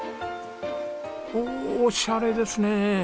ほうおしゃれですね！